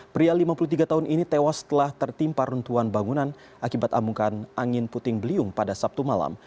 pria lima puluh tiga tahun ini tewas setelah tertimpa runtuhan bangunan akibat amukan angin puting beliung pada sabtu malam